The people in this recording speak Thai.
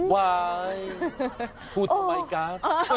ว่ายยยพูดต่อไปกัน